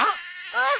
あっ！